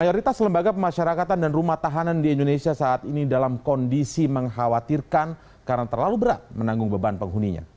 mayoritas lembaga pemasyarakatan dan rumah tahanan di indonesia saat ini dalam kondisi mengkhawatirkan karena terlalu berat menanggung beban penghuninya